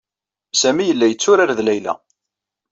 Sami yella yetturar d Layla.